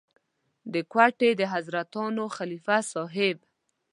د کوټې د حضرتانو خلیفه صاحب.